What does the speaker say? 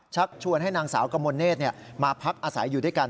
ชักชวนให้นางสาวกมลเนธมาพักอาศัยอยู่ด้วยกัน